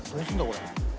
これ。